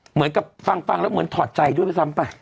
เหมือนกับฟังแล้วเหมือนถอดใจด้วยซ้ำไป